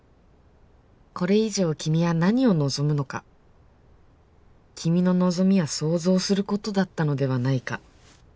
これ以上君は何を望むのか君の望みは創造することだったのではないか